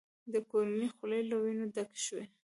د کورنۍ خولې له وینو ډکې شوې.